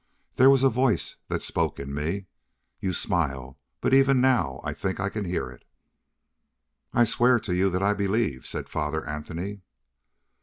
There was a voice that spoke in me. You will smile, but even now I think I can hear it." "I swear to you that I believe," said Father Anthony.